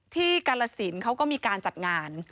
กาลสินเขาก็มีการจัดงาน